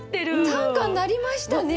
短歌になりましたね。